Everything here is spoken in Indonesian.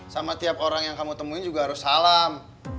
sama tiap orang yang kamu temuin juga harus salam